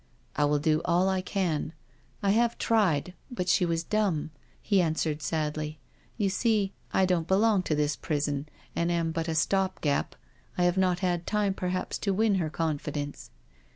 '*" I will do all I can— I have tried, but she was dumb," he answered sadly. " You see, I don't belong 284 NO SURRENDER to this prison, and am but a stop gap. I have not had time perhaps to win her confidence."